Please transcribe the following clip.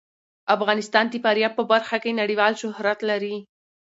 افغانستان د فاریاب په برخه کې نړیوال شهرت لري.